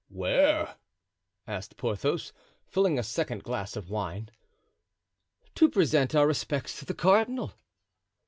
"Where?" asked Porthos, filling a second glass of wine. "To present our respects to the cardinal."